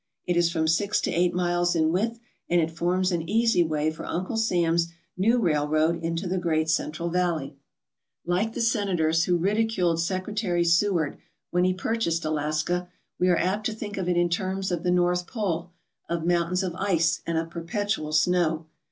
It is from six to eight miles in width and it forms an easy way for Uncle Sam's new railroad into the great central valley. 42 THE STORY OF "SEWARD'S ICE BOX" Like the senators who ridiculed Secretary Seward when he purchased Alaska, we are apt to think of it in terms of the North Pole of mountains of ice and of perpetual snow.